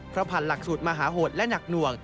เพราะผ่านหลักสูตรมหาโหดและหนักหน่วง